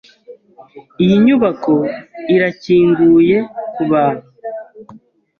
Iyi nyubako irakinguye kubantu?